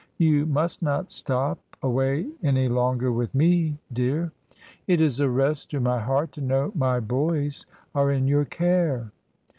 You must not stop away any longer with me, dear. It is a rest to my heart to know my boys are in your care."